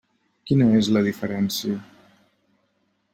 Quina és la diferència?